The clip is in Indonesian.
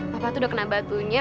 papa tuh udah kena batunya